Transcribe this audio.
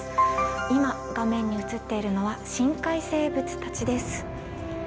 今画面に映っているのは深海生物たちです。